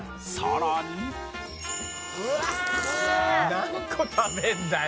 「何個食べるんだよ！」